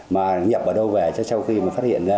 mà nhập ở đâu về cho khi phát hiện ra